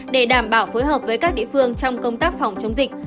để đảm bảo phối hợp với các địa phương trong công tác phòng chống dịch